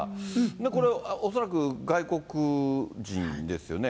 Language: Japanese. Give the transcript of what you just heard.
これ、恐らく外国人ですよね。